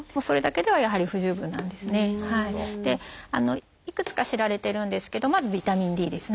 でいくつか知られてるんですけどまずビタミンＤですね。